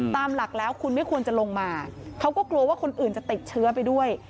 ตามหลักแล้วคุณไม่ควรจะลงมาเขาก็กลัวว่าคนอื่นจะติดเชื้อไปด้วย